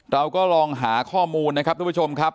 เราก็ลองหาข้อมูลนะครับทุกผู้ชมครับ